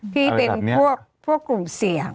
ที่เป็นพวกกลุ่มเสี่ยง